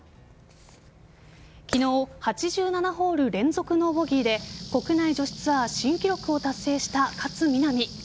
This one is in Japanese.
昨日８７ホール連続ノーボギーで国内女子ツアー新記録を達成した勝みなみ。